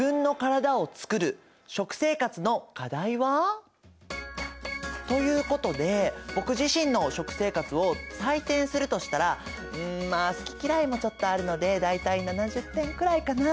ジャジャン！ということで僕自身の食生活を採点するとしたらうんまあ好き嫌いもちょっとあるので大体７０点くらいかな。